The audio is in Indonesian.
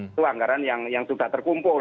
itu anggaran yang sudah terkumpul